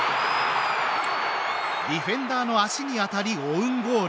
ディフェンダーの足に当たりオウンゴール。